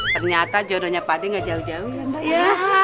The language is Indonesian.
ternyata jodohnya pak de gak jauh jauh